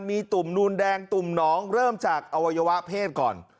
มีตุ่มนูนแดงตุ่มน้องเริ่มจากอวัยวะเพศก่อน